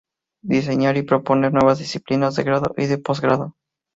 Diseñar y proponer nuevas disciplinas de grado y de posgrado.